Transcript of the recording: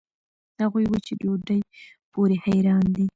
هغوي وچې ډوډوۍ پورې حېران دي.